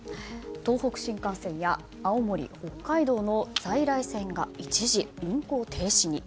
東北新幹線や青森、北海道の在来線が一時運行停止に。